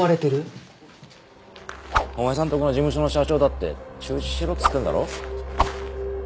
お前さんとこの事務所の社長だって中止しろっつってんだろ？